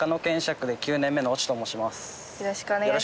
よろしくお願いします。